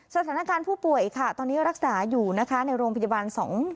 สถานการณ์ผู้ป่วยตอนนี้รักษาอยู่ในโรงพยาบาล๒๙๔๓๔